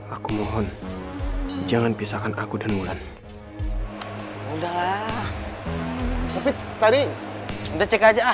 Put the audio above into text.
aku mohon jangan pisahkan aku dan mula tapi tadi udah cek aja ah